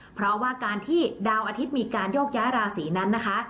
เพราะว่าการที่ดาวอาทิตย์มีการโยกย้ายราศีนั้นนะคะ